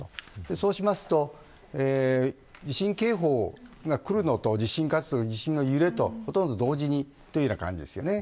そうすると地震警報がくるのと地震の揺れがほとんど同時という感じですね。